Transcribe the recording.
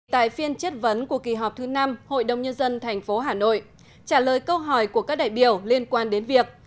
tại phiên chất vấn của kỳ họp thứ năm hội đồng nhân dân tp hà nội trả lời câu hỏi của các đại biểu liên quan đến việc